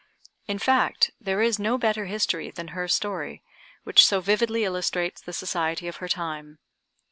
In fact, there is no better history than her story, which so vividly illustrates the society of her time.